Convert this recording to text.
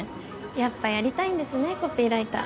やっぱやりたいんですねコピーライター。